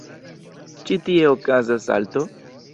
Ĉi tie okazas salto.